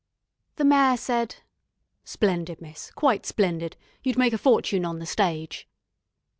The Mayor said: "Splendid, miss, quite splendid. You'd make a fortune on the stage."